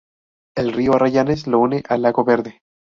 El río Arrayanes lo une al lago Verde.